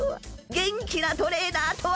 元気なトレーナーとは？